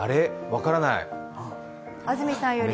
分からない。